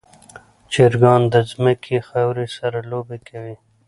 چرګان د ځمکې خاورې سره لوبې کوي.